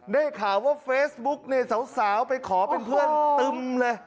ได้ข่าวว่าเฟซบุ๊กเนี่ยสาวไปขอเป็นเพื่อนตึมเลย